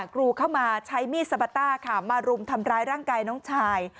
กรูเข้ามาใช้มีดสปาต้าค่ะมารุมทำร้ายร่างกายน้องชาย